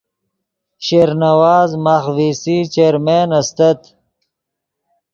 شیر نواز ماخ وی سی چیرمین استت